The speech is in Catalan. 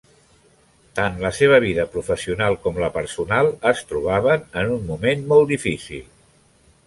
Tant la seva vida professional com la personal es trobaven en un moment molt difícil.